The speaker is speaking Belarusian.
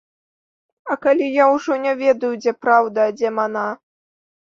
А калі я ўжо не ведаю, дзе праўда, а дзе мана.